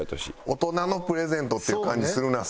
大人のプレゼントっていう感じするなあ